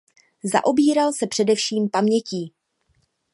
Zaobíral se především pamětí.